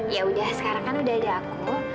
yaudah sekarang kan udah ada aku